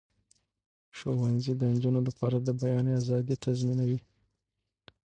ښوونځي د نجونو لپاره د بیان آزادي تضمینوي.